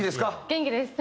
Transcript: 元気です。